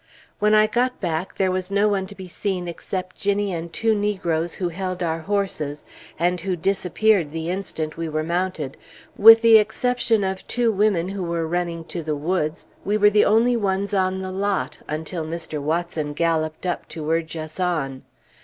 When I got back, there was no one to be seen except Ginnie and two negroes who held our horses, and who disappeared the instant we were mounted; with the exception of two women who were running to the woods, we were the only ones on the lot, until Mr. Watson galloped up to urge us on.